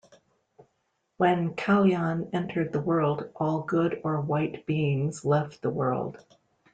When Kaliyan entered the world, all good or white beings left the world.